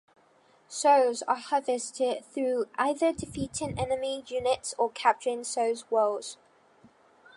Souls are harvested through either defeating enemy units or capturing souls wells.